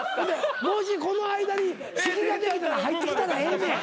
もしこの間に隙ができたら入ってきたらええねん。